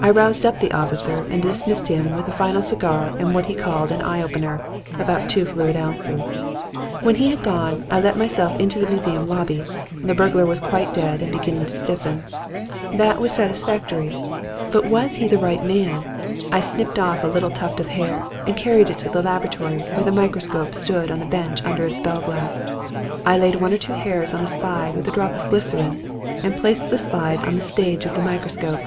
I roused up the officer and dismissed him with a final cigar and what he called an 'eye opener' about two fluid ounces. When he had gone I let myself into the museum lobby. The burglar was quite dead and beginning to stiffen. That was satisfactory; but was he the right man? I snipped off a little tuft of hair and carried it to the laboratory where the microscope stood on the bench under its bell glass. I laid one or two hairs on a slide with a drop of glycerine and placed the slide on the stage of the microscope.